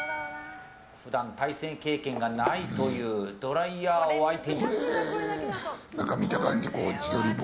対戦経験がないというドライヤーを相手に。